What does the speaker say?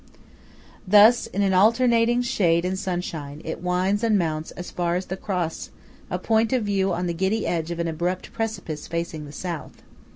Thus, in alternate shade and sunshine, it winds and mounts as far as the cross–a point of view on the giddy edge of an abrupt precipice facing to the South.